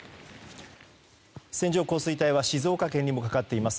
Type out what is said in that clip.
線状降水帯は静岡県にもかかっています。